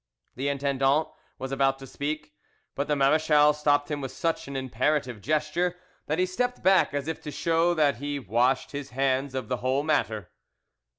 The intendant was about to speak, but the marechal stopped him with such an imperative gesture that he stepped back as if to show that he washed his hands of the whole matter.